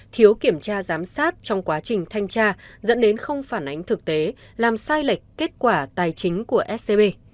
thiếu kiểm tra giám sát trong quá trình thanh tra dẫn đến không phản ánh thực tế làm sai lệch kết quả tài chính của scb